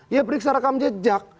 ya periksa rekam jejak